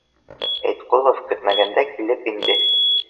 Айытҡолов көтмәгәндә килеп инде